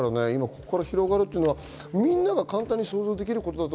ここから広がるのは、みんなが簡単に想像できることです。